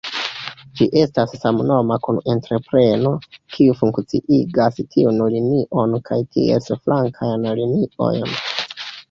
Ĝi estas samnoma kun entrepreno, kiu funkciigas tiun linion kaj ties flankajn liniojn.